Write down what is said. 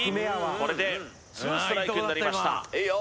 これで２ストライクになりましたいいよ